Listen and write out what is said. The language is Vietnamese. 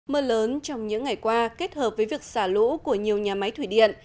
mưa lớn trong những ngày qua kết hợp với việc xả lũ của nhiều nhà máy thủy điện